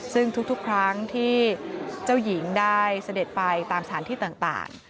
ซึ่งทุกครั้งที่เจ้าหญิงได้เสด็จไปตามสถานที่ต่าง